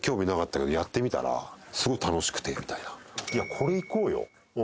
これいこうよ。